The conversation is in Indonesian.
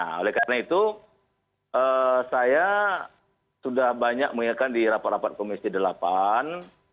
nah oleh karena itu saya sudah banyak mengingatkan di rapat rapat komisi delapan